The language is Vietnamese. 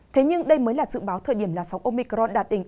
thế nhưng đây mới là dự báo thời điểm là sống omicron đạt đỉnh